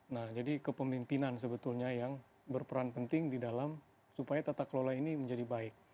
nah jadi kepemimpinan sebetulnya yang berperan penting di dalam supaya tata kelola ini menjadi baik